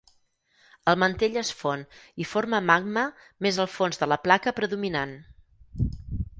El mantell es fon i forma magma més al fons de la placa predominant.